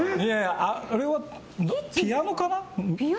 あれはピアノかな？